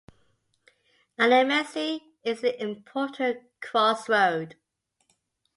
Annemasse is an important crossroad.